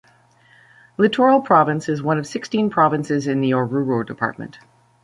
Litoral Province is one of sixteen provinces in the Oruro Department.